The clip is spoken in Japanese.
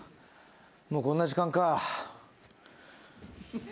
もうこんな時間か。